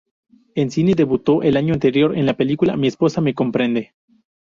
En cine debutó el año anterior en la película "Mi esposa me comprende".